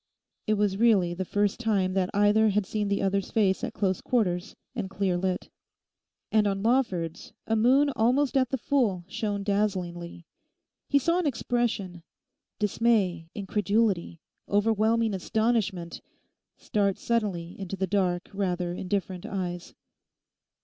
It was really the first time that either had seen the other's face at close quarters and clear lit; and on Lawford's a moon almost at the full shone dazzlingly. He saw an expression—dismay, incredulity, overwhelming astonishment—start suddenly into the dark, rather indifferent eyes.